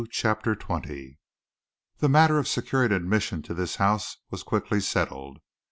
CHAPTER XX The matter of securing admission to this house was quickly settled.